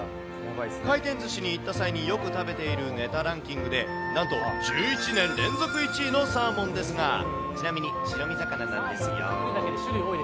回転ずしに行った際に、よく食べているネタランキングで、なんと１１年連続１位のサーモンですが、ちなみに、白身魚なんですよ。